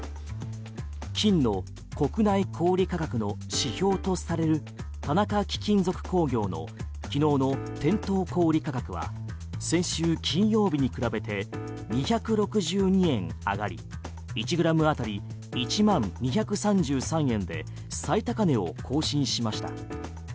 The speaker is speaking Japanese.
金の国内小売価格の指標とされる田中貴金属工業の昨日の店頭小売価格は先週金曜日に比べて２６２円上がり１ｇ当たり１万２３３円で最高値を更新しました。